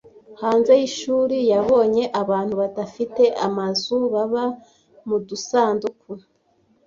Hanze y'ishuri, yabonye abantu badafite amazu baba mu dusanduku.